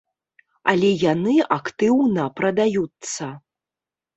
Але яны актыўна праядаюцца.